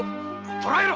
捕らえろ！